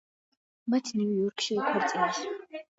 მათ ნიუ-იორკში იქორწინეს.